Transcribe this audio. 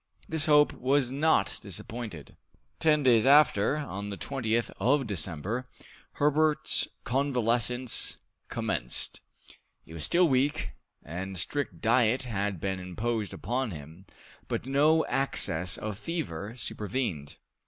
This hope was not disappointed. Ten days after, on the 20th of December, Herbert's convalescence commenced. He was still weak, and strict diet had been imposed upon him, but no access of fever supervened.